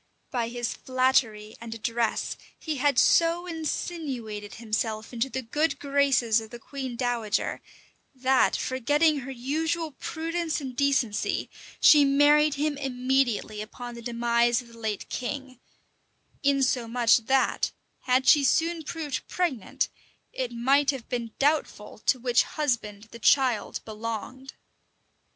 By his flattery and address, he had so insinuated himself into the good graces of the queen dowager, that, forgetting her usual prudence and decency, she married him immediately upon the demise of the late king; insomuch that, had she soon proved pregnant, it might have been doubtful to which husband the child belonged.